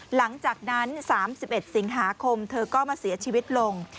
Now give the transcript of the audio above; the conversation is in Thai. หลังจากนั้น๓๑สิงหาคมเธอก็มาเสียชีวิตลง